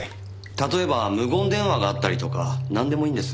例えば無言電話があったりとかなんでもいいんです。